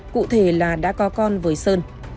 cụ thể là đã có con với sơn